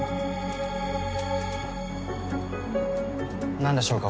何でしょうか？